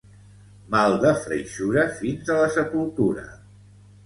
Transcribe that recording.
Mal de freixura, fins a la sepultura.